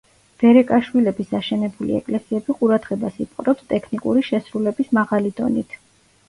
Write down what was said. ბერეკაშვილების აშენებული ეკლესიები ყურადღებას იპყრობს ტექნიკური შესრულების მაღალი დონით.